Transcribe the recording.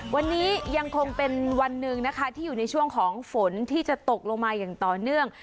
วันนี้ยังคงเป็นวันหนึ่งนะคะที่อยู่ในช่วงของฝนที่จะตกลงมาอย่างต่อเนื่อง